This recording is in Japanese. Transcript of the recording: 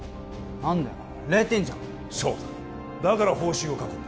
何だよ０点じゃんそうだだから方針を書くんだ